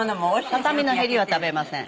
畳のへりは食べません。